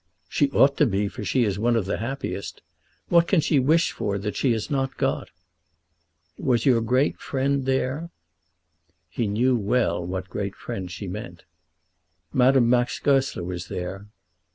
"She ought to be, for she is one of the happiest. What can she wish for that she has not got? Was your great friend there?" He knew well what great friend she meant. "Madame Max Goesler was there."